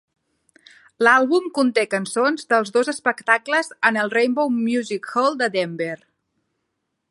L'àlbum conté cançons dels dos espectacles en el Rainbow Music Hall de Denver.